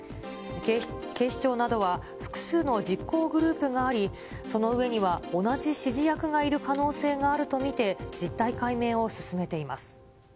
警視庁などは、複数の実行グループがあり、その上には同じ指示役がいる可能性があると見て、実態解明を進めています。